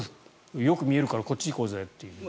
よく見えるからこっち行こうぜという。